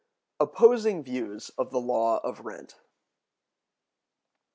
Opposing Views of the Law of Rent.